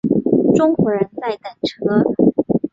中国人在等车